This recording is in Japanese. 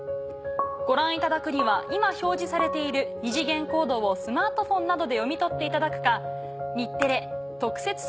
ご覧いただくには今表示されている二次元コードをスマートフォンなどで読み取っていただくか。